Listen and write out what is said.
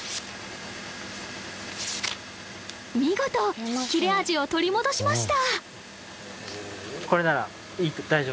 見事切れ味を取り戻しました